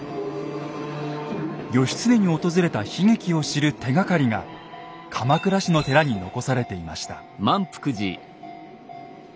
義経に訪れた悲劇を知る手がかりが鎌倉市の寺に残されていました。